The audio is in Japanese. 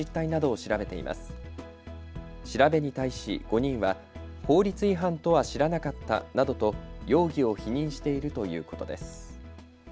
調べに対し５人は法律違反とは知らなかったなどと容疑を否認しているということです。